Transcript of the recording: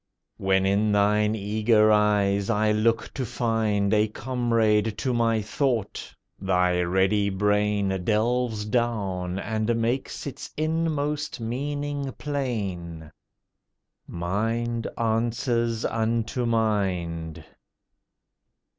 When in thine eager eyes I look to find A comrade to my thought, thy ready brain Delves down and makes its inmost meaning plain: Mind answers unto mind.